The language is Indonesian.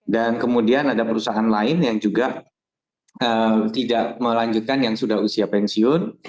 dan kemudian ada perusahaan lain yang juga tidak melanjutkan yang sudah usia pensiun